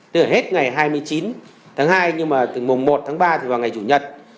tức là hết ngày hai mươi chín tháng hai nhưng mà từ mùng một tháng ba vào ngày chủ nhật